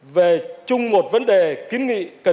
về chung một vấn đề kiến nghị cần có sự giải quyết